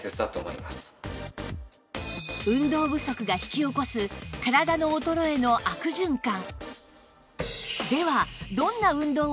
運動不足が引き起こす体の衰えの悪循環